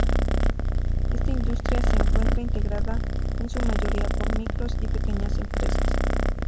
Esta industria se encuentra integrada en su mayoría por micros y pequeñas empresas.